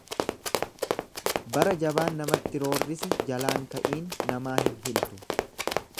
Bara jabaan namatti roorrise jalaan ka'iin namaa hin hiltu.